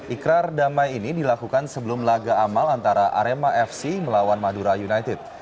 ikrar damai ini dilakukan sebelum laga amal antara arema fc melawan madura united